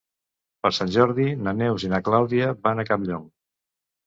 Per Sant Jordi na Neus i na Clàudia van a Campllong.